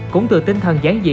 cũng từ tinh thần gián dị